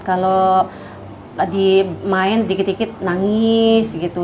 kalau dimain dikit dikit nangis gitu